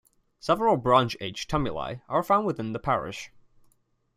Several bronze age tumuli are found within the parish.